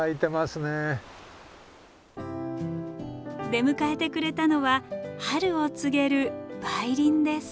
出迎えてくれたのは春を告げる梅林です。